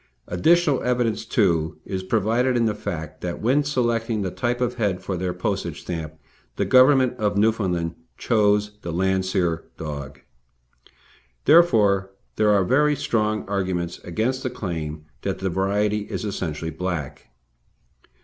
Additional evidence, too, is provided, in the fact that when selecting the type of head for their postage stamp the Government of Newfoundland chose the Landseer dog. Therefore, there are very strong arguments against the claim that the true variety is essentially black.